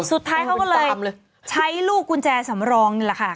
สุดท้ายเขาก็เลยใช้ลูกกุญแจสำรองนี่แหละค่ะ